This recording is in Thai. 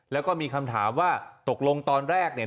แล้วก็มีคำถามว่าตกลงตอนแรกเนี่ย